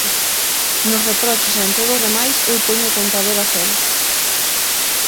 Nos reproches e en todo o demais eu poño o contador o cero.